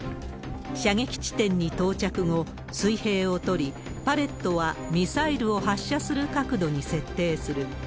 射撃地点に到着後、水平を取り、パレットはミサイルを発射する角度に設定する。